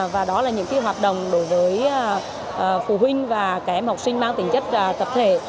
và đó là những hoạt động đối với phụ huynh và các em học sinh mang tính chất tập thể